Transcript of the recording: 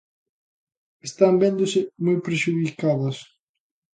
Están véndose moi prexudicadas.